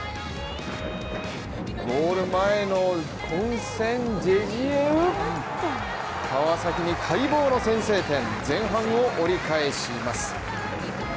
ゴール前の混戦でジェジエウ先制点、前半を折り返します。